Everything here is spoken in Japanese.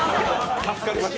助かりました。